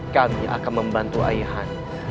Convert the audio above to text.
kami akan membantu ayahanda